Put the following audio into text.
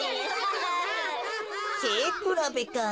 せいくらべか。